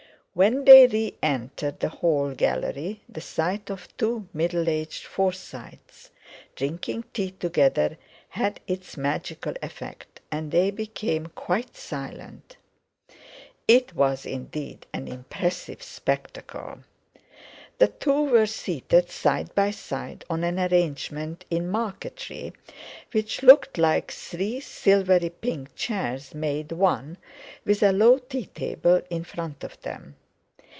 When they re entered the hall gallery the sight of two middle aged Forsytes drinking tea together had its magical effect, and they became quite silent. It was, indeed, an impressive spectacle. The two were seated side by side on an arrangement in marqueterie which looked like three silvery pink chairs made one, with a low tea table in front of them.